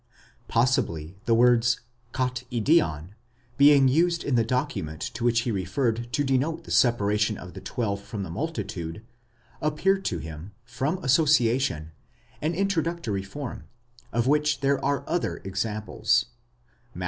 Possibly the words κατ᾽ ἰδίαν, being used in the document to which he referred to denote the separa ation of the twelve from the multitude, appeared to him, from association, an introductory form, of which there are other examples (Matt.